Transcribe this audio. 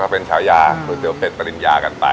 เป็นฉายาก๋วยเตี๋เป็ดปริญญากันไป